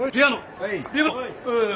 はい。